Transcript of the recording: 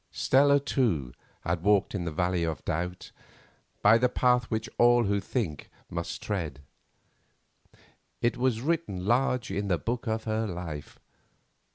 Stella, too, had walked in the valley of doubt, by the path which all who think must tread; it was written large in the book of her life.